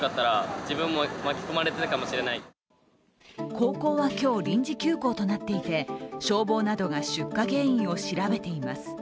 高校は今日、臨時休校となっていて、消防などが出火原因を調べています。